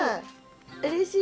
うれしい？